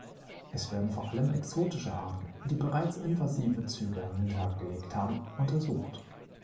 Es werden vor allem exotische Arten, die bereits invasive Züge an den Tag gelegt haben, untersucht.